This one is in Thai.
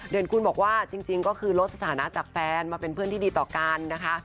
คุณบอกว่าจริงก็คือลดสถานะจากแฟนมาเป็นเพื่อนที่ดีต่อกันนะคะ